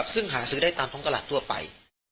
ซึ่งหาซื้อได้ตามท้องตลาดทั่วไป